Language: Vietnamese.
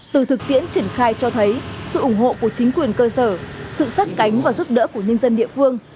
từ thực tiễn triển khai cho thấy sự ủng hộ của chính quyền cơ sở sự sát cánh và giúp đỡ của nhân dân địa phương